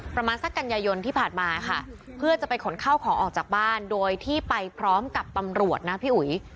ประมาณสักกันยายนที่ผ่านมาค่ะเพื่อจะไปขนข้าวของออกจากบ้านโดยที่ไปพร้อมกับตำรวจนะพี่อุ๋ย